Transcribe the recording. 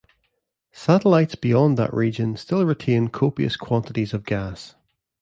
Satellites beyond that region still retain copious quantities of gas.